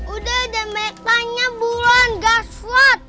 udah udah mereka tanya bulan gaswat